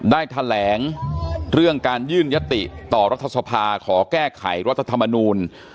ได้แถลงเรื่องการยื่นยติต่อรัฐสภาขอแก้ไขรัฐธรรมนูล